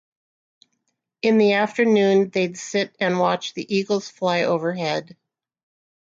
In the afternoon they’d sit and watch the eagles fly overhead.